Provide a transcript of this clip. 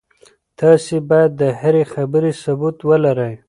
تاسي باید د هرې خبرې ثبوت ولرئ.